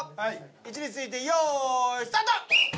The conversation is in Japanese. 位置について用意スタート！